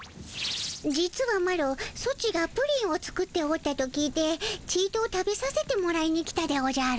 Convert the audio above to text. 実はマロソチがプリンを作っておったと聞いてちと食べさせてもらいに来たでおじゃる。